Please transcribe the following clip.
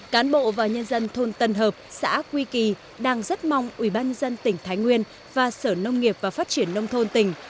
cán bộ và nhân dân thôn tân hợp xã quy kỳ đang rất mong ubnd tỉnh thái nguyên và sở nông nghiệp và phát triển nông thôn tỉnh